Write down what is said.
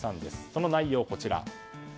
その内容がこちら。